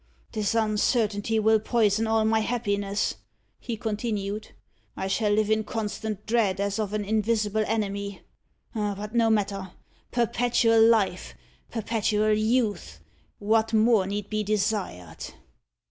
"This uncertainty will poison all my happiness," he continued; "I shall live in constant dread, as of an invisible enemy. But no matter! Perpetual life! perpetual youth! what more need be desired?"